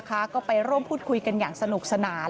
ก็ไปร่วมพูดคุยกันอย่างสนุกสนาน